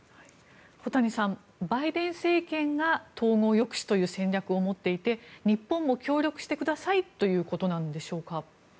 小谷さん、バイデン政権が統合抑止という戦略を持っていて日本も協力してくださいということなんでしょうか。